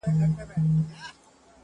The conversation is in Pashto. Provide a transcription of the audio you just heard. • هومره ډار نه وي د دښت له لړمانو ,